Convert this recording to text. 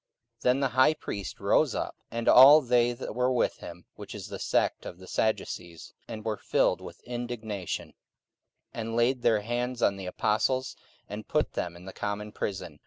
44:005:017 Then the high priest rose up, and all they that were with him, (which is the sect of the Sadducees,) and were filled with indignation, 44:005:018 And laid their hands on the apostles, and put them in the common prison.